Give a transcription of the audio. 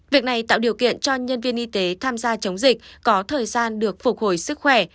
việc này tạo điều kiện cho nhân viên y tế tham gia chống dịch có thời gian được phục hồi sức khỏe